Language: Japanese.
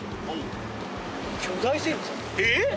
えっ？